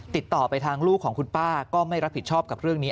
ติดต่อไปทางลูกของคุณป้าก็ไม่รับผิดชอบกับเรื่องนี้